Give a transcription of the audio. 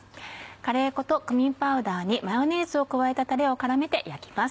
カレー粉とクミンパウダーにマヨネーズを加えたタレを絡めて焼きます。